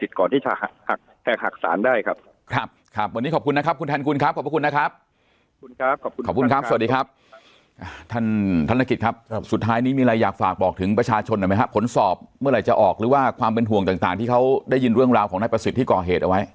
ท่านธนกิจครับสุดท้ายนี้มีอะไรอยากฝากบอกถึงประชาชนหน่อยไหมครับผลสอบเมื่อไหร่จะออกหรือว่าความเป็นห่วงต่างที่เขาได้ยินเรื่องราวของนายประสิทธิ์ที่ก่อเหตุเอาไว้